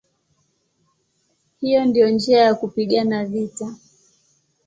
Hiyo ndiyo njia ya kupigana vita".